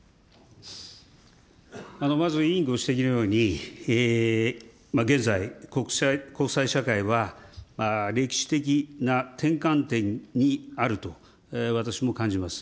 まず委員ご指摘のように、現在、国際社会は歴史的な転換点にあると、私も感じます。